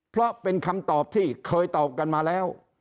เพราะเป็นคำตอบที่เคยตอบกันมาแล้ว